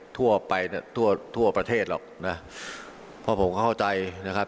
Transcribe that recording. ทั่วไปทั่วประเทศหรอกนะพอผมเข้าใจนะครับ